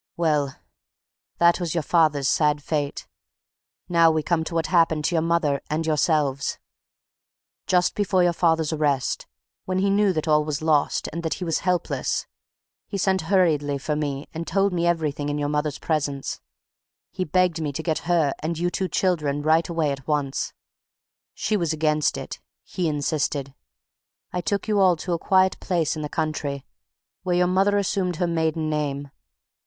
Well, that was your father's sad fate. Now we come to what happened to your mother and yourselves. Just before your father's arrest, when he knew that all was lost, and that he was helpless, he sent hurriedly for me and told me everything in your mother's presence. He begged me to get her and you two children right away at once. She was against it; he insisted. I took you all to a quiet place in the country, where your mother assumed her maiden name.